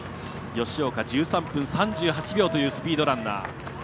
吉岡、１３分３８秒というスピードランナー。